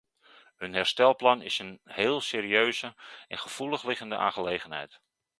Een herstelplan is een heel serieuze en gevoelig liggende aangelegenheid.